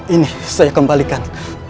ini saya kembalikan